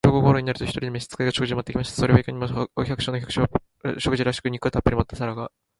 正午頃になると、一人の召使が、食事を持って来ました。それはいかにも、お百姓の食事らしく、肉をたっぶり盛った皿が、